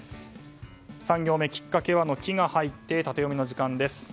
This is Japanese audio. ３行目きっかけはの「キ」が入ってタテヨミの時間です。